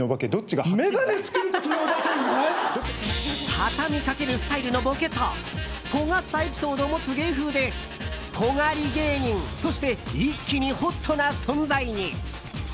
たたみかけるスタイルのボケととがったエピソードを持つ芸風でトガり芸人として一気にホットな存在に。